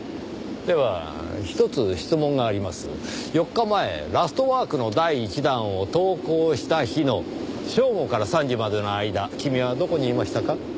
４日前『ラストワーク』の第１弾を投稿した日の正午から３時までの間君はどこにいましたか？